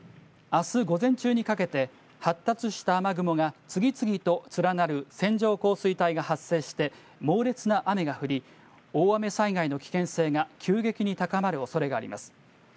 あす午前中にかけて、発達した雨雲が次々と連なる線状降水帯が発生して、猛烈な雨が降り、大雨災害の危険性が急激に高まるおそれがあります。